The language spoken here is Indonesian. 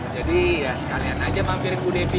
jadi ya sekalian aja mampirin bu devi